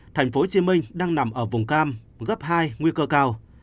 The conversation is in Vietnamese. thành phố hồ chí minh đang nằm ở vùng cam gấp hai nguy cơ cao